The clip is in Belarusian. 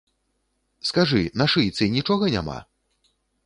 Скажы, на шыйцы нічога няма?